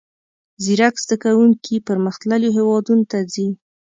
زیرک زده کوونکي پرمختللیو هیوادونو ته ځي.